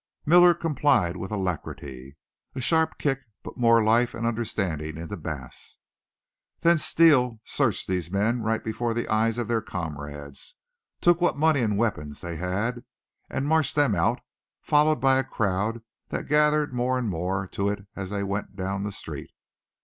Miller complied with alacrity. A sharp kick put more life and understanding into Bass. Then Steele searched these men right before the eyes of their comrades, took what money and weapons they had, and marched them out, followed by a crowd that gathered more and more to it as they went down the street.